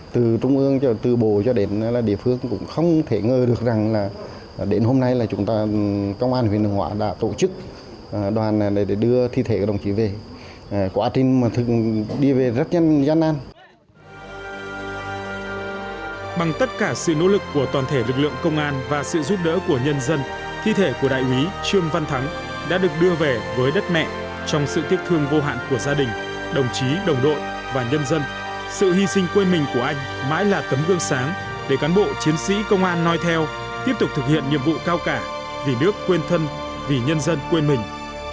trong sự tiếc thương vô hạn của gia đình đồng chí đồng đội và nhân dân sự hy sinh quên mình của anh mãi là tấm gương sáng để cán bộ chiến sĩ công an nói theo tiếp tục thực hiện nhiệm vụ cao cả vì nước quên thân vì nhân dân quên mình